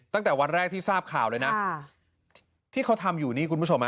ตั้งแต่วันแรกที่ทราบข่าวเลยนะที่เขาทำอยู่นี่คุณผู้ชมฮะ